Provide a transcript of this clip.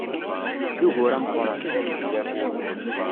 D ugur ameqqran!